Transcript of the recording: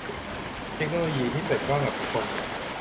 เทคโนโลยีที่เปิดกว้างกับทุกคน